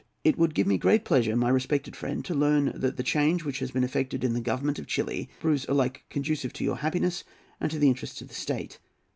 "It would give me great pleasure, my respected friend, to learn that the change which has been effected in the government of Chili proves alike conducive to your happiness and to the interests of the State.